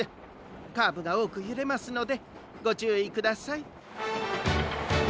カーブがおおくゆれますのでごちゅういください。